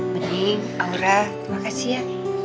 medi aura terima kasih ya